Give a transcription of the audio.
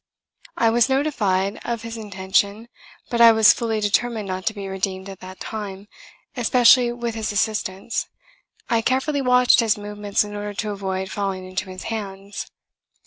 I was notified of his intention; but as I was fully determined not to be redeemed at that time, especially with his assistance, I carefully watched his movements in order to avoid falling into his hands.